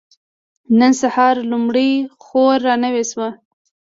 نن سهار لومړۍ خور را نوې شوه.